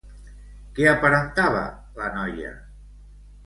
Què aparentava la noia?